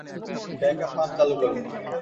Backup pump চালু করো।